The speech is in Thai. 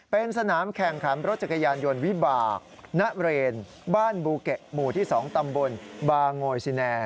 เป็นสนามแข่งขันรถจักรยานยนต์วิบากณเรนบ้านบูเกะหมู่ที่๒ตำบลบางโงยซิแน